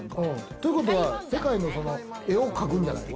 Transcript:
てことは、世界の絵を描くんじゃない？